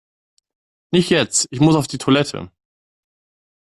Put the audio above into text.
Nicht jetzt, ich muss auf die Toilette!